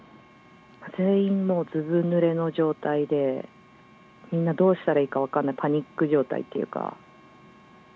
全員ずぶぬれの状態で、みんなどうしたらいいか分かんない、パニック状態っていうか。